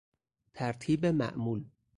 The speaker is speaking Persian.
ترتیب معمول